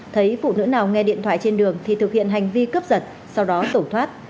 thấy phụ nữ nào nghe điện thoại trên đường thì thực hiện hành vi cướp giật sau đó tẩu thoát